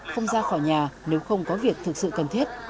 không ra khỏi nhà nếu không có việc thực sự cần thiết